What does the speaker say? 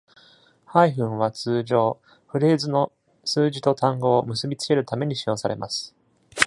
ハイフンは通常、フレーズの数字と単語を結び付けるために使用されます。